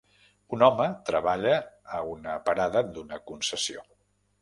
Un home treballa a una parada d'una concessió